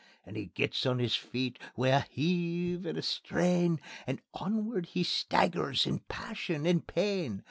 And he gets on his feet wi' a heave and a strain, And onward he staggers in passion and pain.